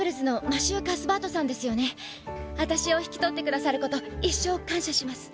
あたしを引き取ってくださること一生感謝します。